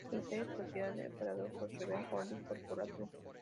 El hotel es propiedad y operado por Riviera Holdings Corporation.